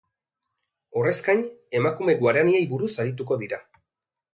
Horrez gain, emakume guaraniei buruz arituko dira.